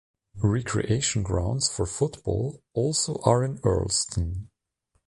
Recreation grounds for football also are in Earlsdon.